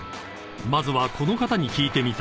［まずはこの方に聞いてみた］